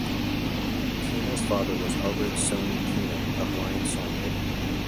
Cunha's father was Albert "Sonny" Cunha, a Hawaiian songwriter.